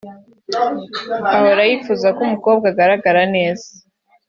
Ahora yifuza ko umukobwa agaragara neza